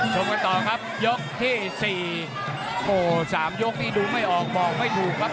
ชมกันต่อครับยกที่๔โอ้โห๓ยกนี่ดูไม่ออกบอกไม่ถูกครับ